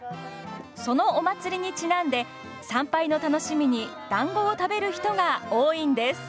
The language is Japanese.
そのお祭りにちなんで参拝の楽しみにだんごを食べる人が多いんです。